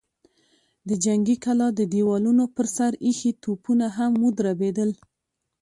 د جنګي کلا د دېوالونو پر سر ايښي توپونه هم ودربېدل.